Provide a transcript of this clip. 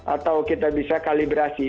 atau kita bisa kalibrasi